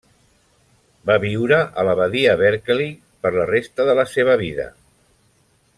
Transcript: Va viure a la badia Berkeley per la resta de la seva vida.